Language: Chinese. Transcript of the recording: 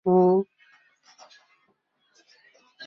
首府利沃夫。